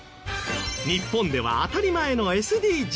日本では当たり前のＳＤＧｓ。